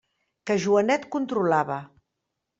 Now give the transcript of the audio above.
Que Joanet controlava.